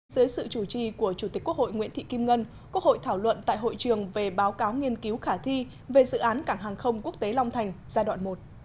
dưới sự chủ trì của chủ tịch quốc hội nguyễn thị kim ngân quốc hội thảo luận tại hội trường về báo cáo nghiên cứu khả thi về dự án cảng hàng không quốc tế long thành giai đoạn một